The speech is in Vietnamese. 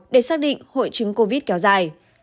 để xác định hội chứng covid kéo dài